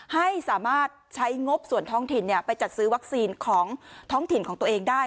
ให้สามารถใช้งบส่วนท้องถิ่นไปจัดซื้อวัคซีนของท้องถิ่นของตัวเองได้